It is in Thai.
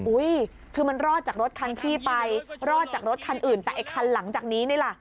อุ้ยคือมันรอดจากรถคันพี่ไปรอดจากรถคันอื่นแต่ไอ้คันหลังจากนี้นี่ล่ะ